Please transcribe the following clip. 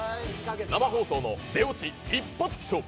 生放送の出オチ一発勝負。